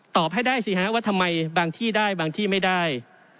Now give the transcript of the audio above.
ให้ได้สิฮะว่าทำไมบางที่ได้บางที่ไม่ได้